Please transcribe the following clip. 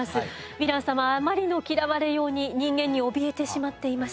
ヴィラン様あまりの嫌われように人間におびえてしまっています。